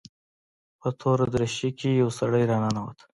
په توره دريشي کښې يو سړى راننوت.